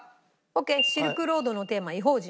『−シルクロードのテーマ−異邦人』。